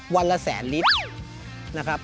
วันละแสนลิตรนะครับ